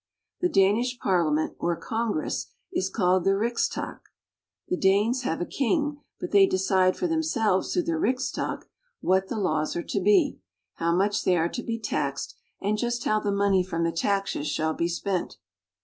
The Danish Parliament or Con gress is called the Rigsdag (rix'tac). The Danes have a King, but they decide for themselves through the Rigsdag what the laws are to be, how much they are to be taxed, and just how the money from the taxes shall be spent.